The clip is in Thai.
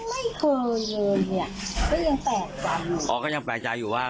ไม่เคยเลยเนี้ยก็ยังแปลกใจอยู่อ๋อก็ยังแปลกใจอยู่ว่า